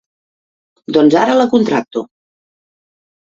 Doncs ara la contracto!